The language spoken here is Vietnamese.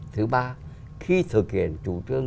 thứ ba khi thực hiện chủ trương